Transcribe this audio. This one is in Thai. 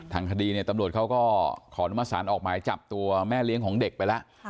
ทางคดีเนี่ยตำรวจเขาก็ขออนุมสารออกหมายจับตัวแม่เลี้ยงของเด็กไปแล้ว